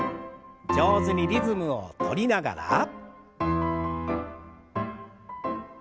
上手にリズムをとりながら。